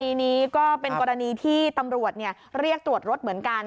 คดีนี้ก็เป็นกรณีที่ตำรวจเรียกตรวจรถเหมือนกัน